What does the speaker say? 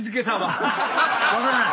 分からない。